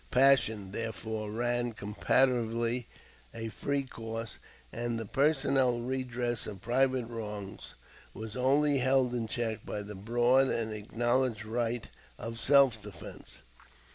Passion, therefore, ran comparatively a free course, and the personal redress of private wrongs was only held in check by the broad and acknowledged right of self defense.